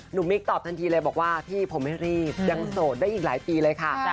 มิ๊กตอบทันทีเลยบอกว่าพี่ผมไม่รีบยังโสดได้อีกหลายปีเลยค่ะ